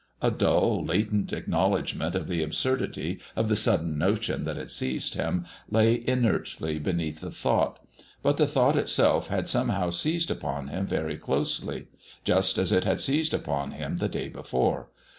A dull, latent acknowledgment of the absurdity of the sudden notion that had seized him lay inertly beneath the thought, but the thought itself had somehow seized upon him very closely, just as it had seized upon him the day before.